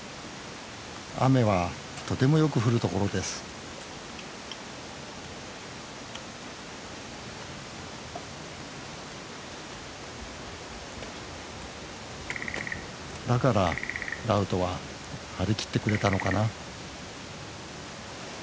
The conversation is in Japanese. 雨はとてもよく降る所ですだからラウトは張り切ってくれたのかな？